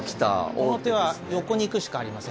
この手は横に行くしかありません。